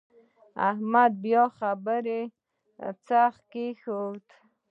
احمد بيا پر خبره څرخ کېښود.